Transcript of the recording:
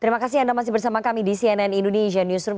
terima kasih anda masih bersama kami di cnn indonesia newsroom